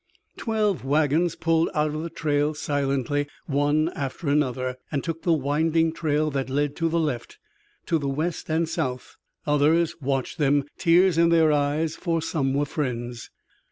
Twelve wagons pulled out of the trail silently, one after another, and took the winding trail that led to the left, to the west and south. Others watched them, tears in their eyes, for some were friends.